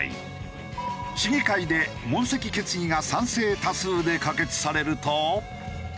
市議会で問責決議が賛成多数で可決されると。